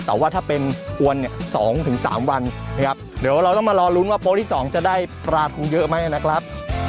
แต่ว่าถ้าเป็นกวนเนี่ย๒๓วันนะครับเดี๋ยวเราต้องมารอลุ้นว่าโป๊ที่๒จะได้ปลาคงเยอะไหมนะครับ